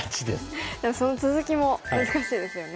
でもその続きも難しいですよね。